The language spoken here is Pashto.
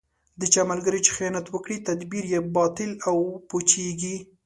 د چا ملګری چې خیانت وکړي، تدبیر یې باطل او پوچېـږي.